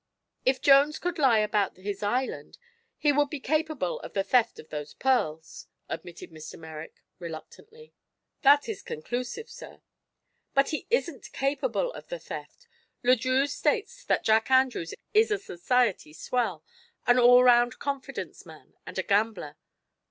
"If Jones could lie about his island, he would be capable of the theft of those pearls," admitted Mr. Merrick reluctantly. "That is conclusive, sir." "But he isn't capable of the theft. Le Drieux states that Jack Andrews is a society swell, an all around confidence man, and a gambler.